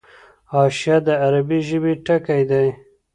حاشیه د عربي ژبي ټکی دﺉ.